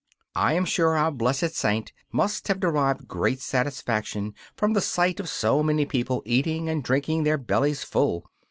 I am sure our blessed Saint must have derived great satisfaction from the sight of so many people eating and drinking their bellies full.